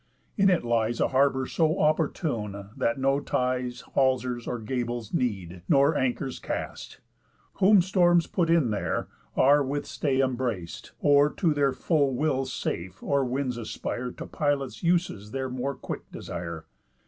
In it lies A harbour so oppórtune, that no ties, Halsers, or gables need, nor anchors cast. Whom storms put in there are with stay embrac'd, Or to their full wills safe, or winds aspire To pilots' uses their more quick desire.